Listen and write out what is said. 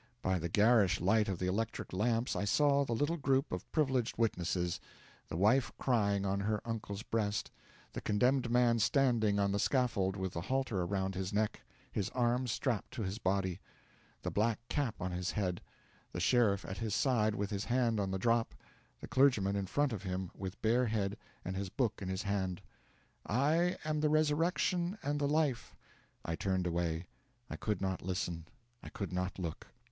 By the garish light of the electric lamps I saw the little group of privileged witnesses, the wife crying on her uncle's breast, the condemned man standing on the scaffold with the halter around his neck, his arms strapped to his body, the black cap on his head, the sheriff at his side with his hand on the drop, the clergyman in front of him with bare head and his book in his hand. 'I am the resurrection and the life ' I turned away. I could not listen; I could not look.